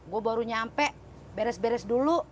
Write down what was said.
gue baru nyampe beres beres dulu